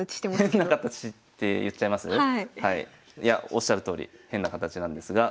おっしゃるとおり変な形なんですが。